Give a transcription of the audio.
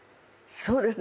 そうですね